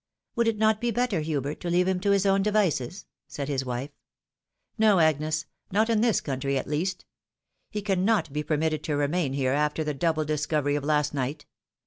" Woiild it not be better, Hubert, to leave him to his own devices ?" said his wife. " No, Agnes ; not in this country at least. He cannot be permitted to remain here after the double discovery of last night.